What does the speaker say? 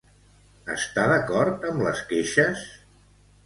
Està d'acord amb les queixes?